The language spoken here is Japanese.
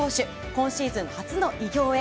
今シーズン初の偉業へ。